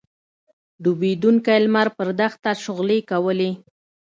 ډوبېدونکی لمر پر دښته شغلې کولې.